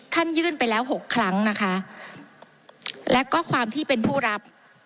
ยื่นไปแล้วหกครั้งนะคะและก็ความที่เป็นผู้รับ